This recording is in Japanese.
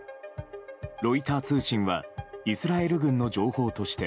ロイター通信はイスラエル軍の情報として